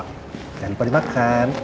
jangan lupa dimakan